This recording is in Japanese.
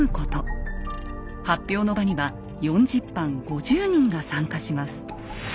発表の場には４０藩５０人が参加します。